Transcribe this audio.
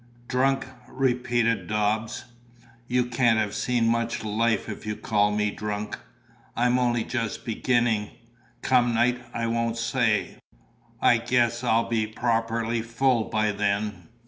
"Drunk!" repeated Dobbs. "You can't have seen much life if you call me drunk. I'm only just beginning. Come night, I won't say; I guess I'll be properly full by then.